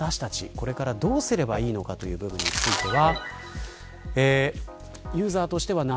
これから、どうすればいいのかという部分については。